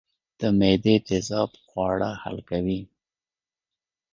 د معدې تیزاب خواړه حل کوي